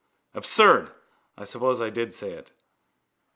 Absurd! I suppose I did say it.